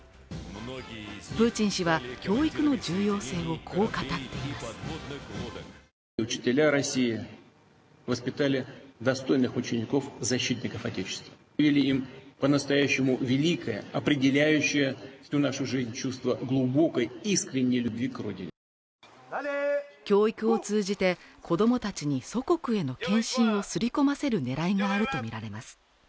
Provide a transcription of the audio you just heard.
プーチン氏は教育の重要性をこう語っています教育を通じて子どもたちに祖国への献身を刷り込ませる狙いがあると見られます